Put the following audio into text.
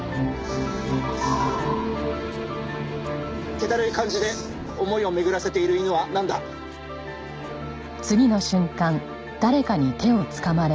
気だるい感じで思いを巡らせている犬はなんだ？えっ？